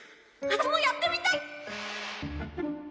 私もやってみたい！